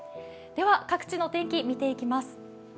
では、各地の天気見ていきます。